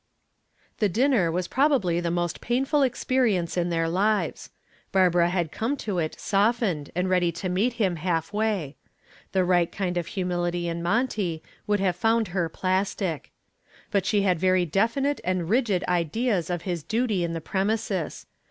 The dinner was probably the most painful experience in their lives. Barbara had come to it softened and ready to meet him half way. The right kind of humility in Monty would have found her plastic. But she had very definite and rigid ideas of his duty in the premises.